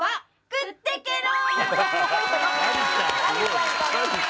「食ってけろ！」